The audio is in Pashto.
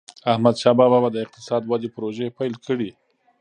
احمدشاه بابا به د اقتصادي ودي پروژي پیل کړي.